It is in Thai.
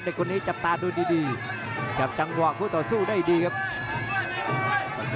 คนนี้จับตาดูดีจับจังหวะคู่ต่อสู้ได้ดีครับ